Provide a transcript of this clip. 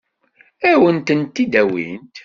Ad wen-tent-id-awint?